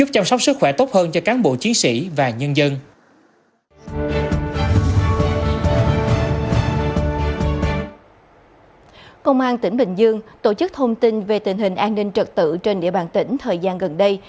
công an tỉnh bình dương tổ chức thông tin về tình hình an ninh trật tự trên địa bàn tỉnh thời gian gần đây